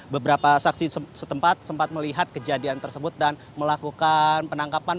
beberapa saksi setempat sempat melihat kejadian tersebut dan melakukan penangkapan